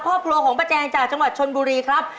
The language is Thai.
ครอบครัวของป้าแจงจากจังหวัดชนบุรีครับ